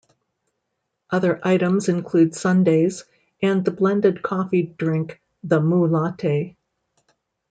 Other items include sundaes and the blended coffee drink, the MooLatte.